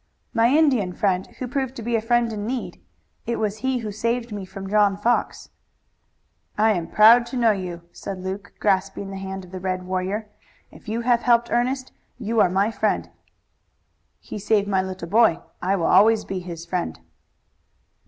"My Indian friend, who proved to be a friend in need. It was he who saved me from John Fox." "I am proud to know you," said Luke, grasping the hand of the red warrior. "If you have helped Ernest you are my friend." "He save my little boy; I will always be his friend."